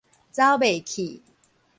走袂去